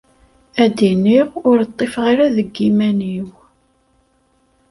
Ad d-iniɣ ur ṭṭifeɣ ara deg iman-iw.